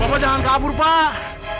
bapak jangan kabur pak